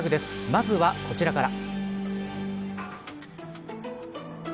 まずは、こちらから。